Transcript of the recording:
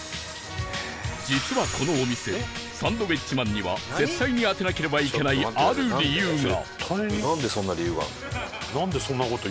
実はこのお店サンドウィッチマンには絶対に当てなければいけないある理由が